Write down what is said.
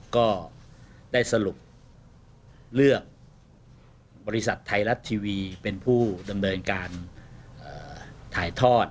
ก็ได้สรุปเลือกบริษัทไทยรัฐทีวีเป็นผู้ดำเนินการถ่ายทอด